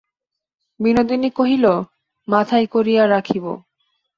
বিনোদিনী কহিল, মাথায় করিয়া রাখিব।